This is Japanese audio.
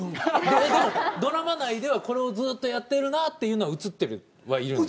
いやでもドラマ内ではこれをずっとやってるなっていうのは映ってはいるんですか？